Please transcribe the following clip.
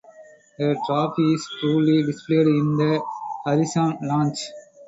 The trophy is proudly displayed in the Harrison lounge.